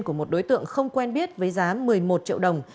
của một đối tượng không quen biết với giá một mươi một triệu đồng